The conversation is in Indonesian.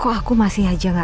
kok aku masih aja gak tenang ya